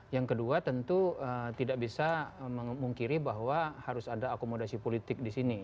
yang kedua tentu tidak bisa memungkiri bahwa harus ada akomodasi politik di sini